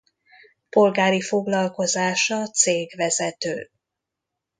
Polgári foglalkozása cégvezető.